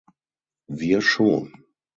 Wir schon.